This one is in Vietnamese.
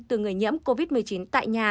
từ người nhiễm covid một mươi chín tại nhà